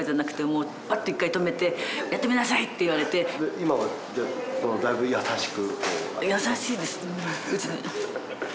今はだいぶ優しく。